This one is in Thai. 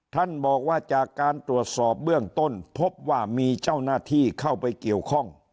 ท่านบอกว่าจากการตรวจสอบเบื้องต้นพบว่ามีเจ้าหน้าที่เข้าไปเกี่ยวข้อง